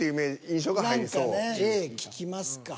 Ａ聞きますか。